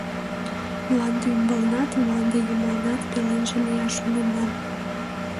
Мланде ӱмбалнат, мланде йымалнат пеленже лияш шоненам.